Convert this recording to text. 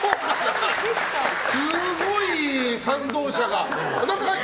すごい賛同者が。